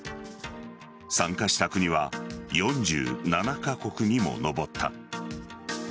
参加した国は４７カ国にも上った。